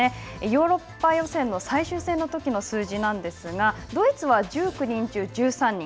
ヨーロッパ予選の最終戦のときの数字なんですがドイツは１９人中１３人